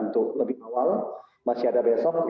untuk lebih awal masih ada besok